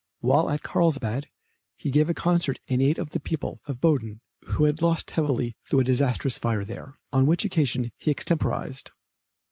While at Carlsbad he gave a concert in aid of the people of Baden, who had lost heavily through a disastrous fire there, on which occasion he extemporized.